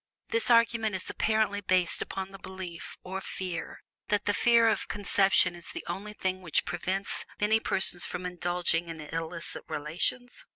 This argument is apparently based upon the belief, or fear, that the fear of conception is the only thing which prevents many persons from indulging in illicit relations.